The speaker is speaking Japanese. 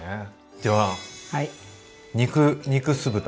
では肉肉酢豚。